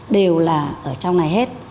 đều là ở trong này hết